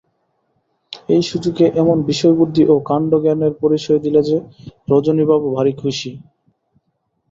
এই সুযোগে এমন বিষয়বুদ্ধি ও কাণ্ডজ্ঞানের পরিচয় দিলে যে, রজনীবাবু ভারি খুশি।